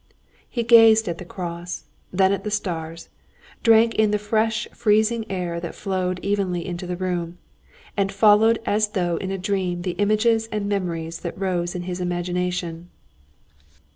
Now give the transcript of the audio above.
He gazed at the cross, then at the stars, drank in the fresh freezing air that flowed evenly into the room, and followed as though in a dream the images and memories that rose in his imagination.